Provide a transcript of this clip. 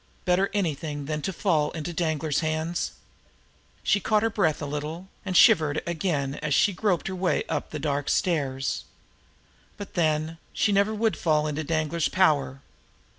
Better anything than to fall into Danglar's hands! She caught her breath a little, and shivered again as she groped her way up the dark stairs. But, then, she never would fall into Danglar's power.